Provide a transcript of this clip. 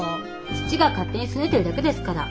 父が勝手にすねてるだけですから。